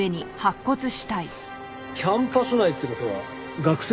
キャンパス内って事は学生っすかね？